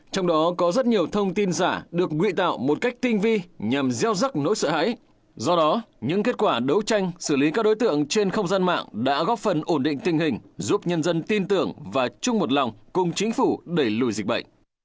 trong đó có rất nhiều thông tin giả được nguy tạo một cách tinh vi nhằm gieo rắc nỗi sợ hãi do đó những kết quả đấu tranh xử lý các đối tượng trên không gian mạng đã góp phần ổn định tình hình giúp nhân dân tin tưởng và chung một lòng cùng chính phủ đẩy lùi dịch bệnh